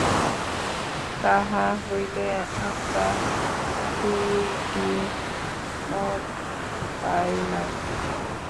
তাহা হইলে আমরা দুইটি মত পাইলাম।